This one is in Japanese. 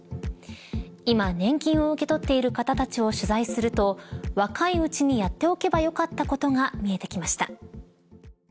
今年金を受け取っている方たちを取材すると若いうちにやっておけばよかったことが見えてきました。